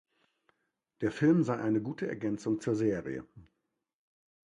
Der Film sei eine gute Ergänzung zur Serie.